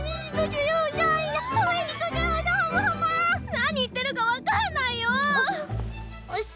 何言ってるか分かんないよ！あっ。